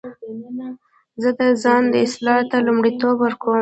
زه د ځان اصلاح ته لومړیتوب ورکوم.